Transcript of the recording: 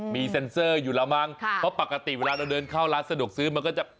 มีเซ็นเซอร์อยู่แล้วมั้งเพราะปกติเวลาเราเดินเข้าร้านสะดวกซื้อมันก็จะ